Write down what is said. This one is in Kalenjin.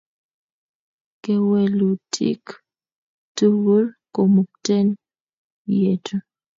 kewelutik tukul komukten ietu